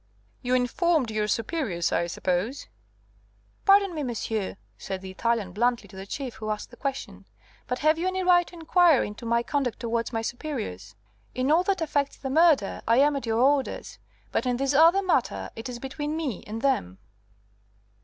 "You informed your superiors, I suppose?" "Pardon me, monsieur," said the Italian blandly to the Chief, who asked the question, "but have you any right to inquire into my conduct towards my superiors? In all that affects the murder I am at your orders, but in this other matter it is between me and them."